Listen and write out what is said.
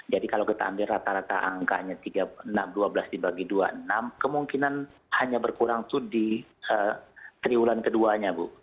jadi kalau kita ambil rata rata angkanya enam dua belas dibagi dua enam kemungkinan hanya berkurang itu di triwulan keduanya bu